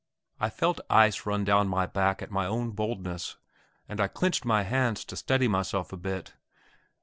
I felt ice run down my back at my own boldness, and I clenched my hands to steady myself a bit.